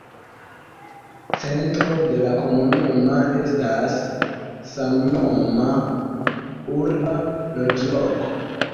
Centro de la komunumo estas samnoma urba loĝloko.